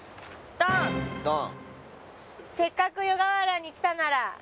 ドン「せっかく湯河原に来たなら」